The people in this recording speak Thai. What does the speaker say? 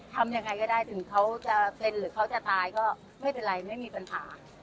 ทำยังไงก็ได้ถึงเขาจะเซ็นหรือเขาจะตายก็ไม่เป็นไรไม่มีปัญหา